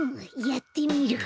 やってみる。